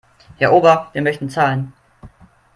Herr Ober, wir möchten zahlen.